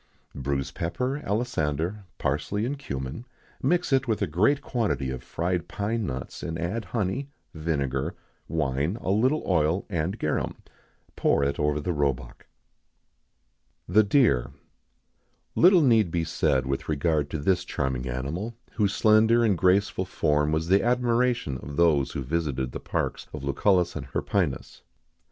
_ Bruise pepper, alisander, parsley, and cummin; mix with it a great quantity of fried pine nuts; and add honey, vinegar, wine, a little oil, and garum. Pour it over the roebuck.[XIX 62] THE DEER. Little need be said with regard to this charming animal, whose slender and graceful form was the admiration of those who visited the parks of Lucullus and Hirpinus.